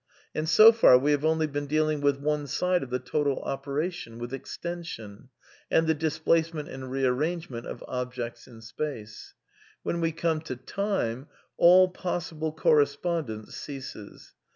And so far we have only been dealing with one side of the total operation, with extension, and the displacement and rearrangement of objects in space. When we come to ime, all possible correspondence ceases.